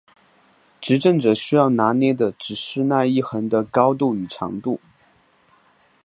执政者需要拿捏的只是那一横的高度与长度。